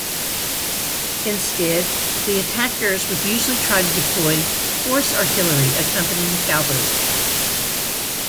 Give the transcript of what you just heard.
Instead, the attackers would usually try to deploy horse artillery accompanying the cavalry.